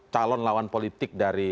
calon lawan politik dari